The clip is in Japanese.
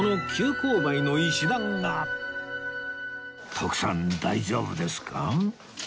徳さん大丈夫ですか？